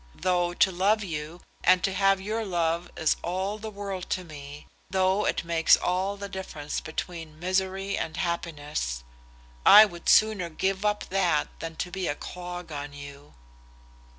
Though to love you and to have your love is all the world to me, though it makes all the difference between misery and happiness, I would sooner give up that than be a clog on you."